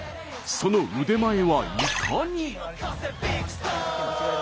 その腕前はいかに？